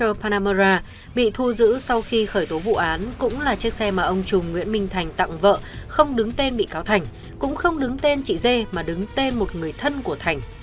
cơ panamerra bị thu giữ sau khi khởi tố vụ án cũng là chiếc xe mà ông trùng nguyễn minh thành tặng vợ không đứng tên bị cáo thành cũng không đứng tên chị dê mà đứng tên một người thân của thành